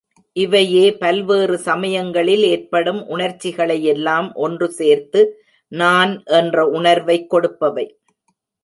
இவையே பல்வேறு சமயங்களில் ஏற்படும் உணர்ச்சிகளையெல்லாம் ஒன்று சேர்த்து, நான் என்ற உணர்வைக் கொடுப்பவை.